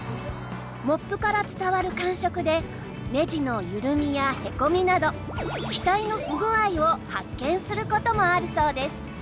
モップから伝わる感触でネジの緩みやへこみなど機体の不具合を発見することもあるそうです。